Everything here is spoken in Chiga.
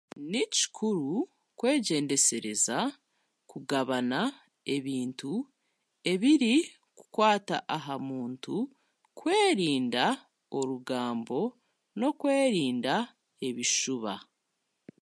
Ni kikuru kwegyendesereza kugabana ebintu ebirikukwata aha muntu kwerinda orugambo n'okwerinda ebishuba